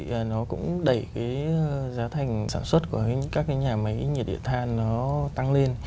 chính vì vậy nó cũng đẩy cái giá thành sản xuất của các cái nhà máy nhiệt điện than nó tăng lên